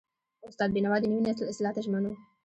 استاد بینوا د نوي نسل اصلاح ته ژمن و.